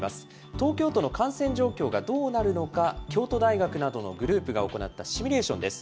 東京都の感染状況がどうなるのか、京都大学などのグループが行ったシミュレーションです。